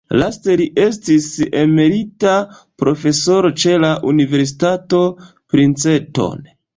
Laste li estis emerita profesoro ĉe la Universitato Princeton.